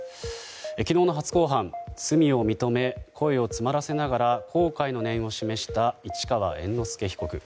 昨日の初公判、罪を認め声を詰まらせながら後悔の念を示した市川猿之助被告。